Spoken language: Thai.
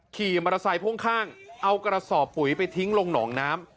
ขี่มอเตอร์ไซค์พ่วงข้างเอากระสอบปุ๋ยไปทิ้งลงหนองน้ำ